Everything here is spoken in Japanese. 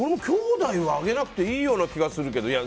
きょうだいはあげなくていいような気がするけど。